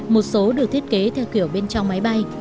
một số được thiết kế theo kiểu bên trong máy bay